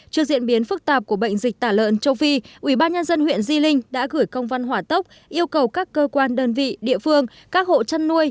trước diễn biến phức tạp của bệnh dịch tả lợn châu phi ubnd huyện di linh đã gửi công văn hỏa tốc yêu cầu các cơ quan đơn vị địa phương các hộ chăn nuôi